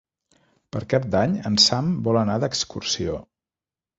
Per Cap d'Any en Sam vol anar d'excursió.